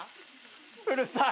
うるさい。